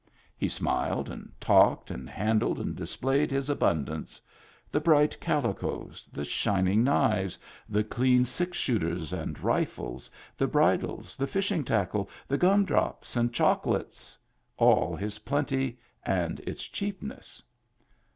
He smiled and talked, and handled and displayed his abun dance: the bright calicoes, the shining knives, the clean six shooters and rifles, the bridles, the fishing tackle, the gum drops and chocolates — all his plenty and its cheapness.